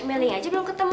meli aja belum ketemu